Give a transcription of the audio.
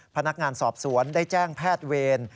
พนักงานสอบสวนได้แจ้งแพทย์เวร